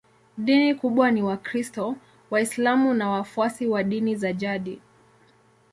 Dini kubwa ni Wakristo, Waislamu na wafuasi wa dini za jadi.